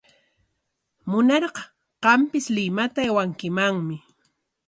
Munarqa qampis Limata aywankimanmi.